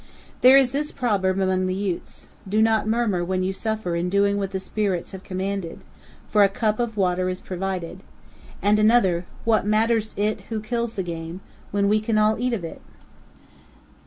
There is this proverb among the Utes: "Do not murmur when you suffer in doing what the spirits have commanded, for a cup of water is provided"; and another: "What matters it who kills the game, when we can all eat of it?"